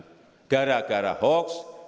gara gara hoax gara gara vaksinasi